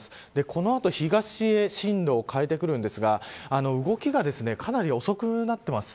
この後、東へ進路を変えてくるんですが動きがかなり遅くなってます。